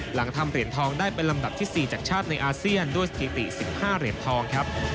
หลังทำเหรียญทองได้เป็นลำดับที่๔จากชาติในอาเซียนด้วยสถิติ๑๕เหรียญทองครับ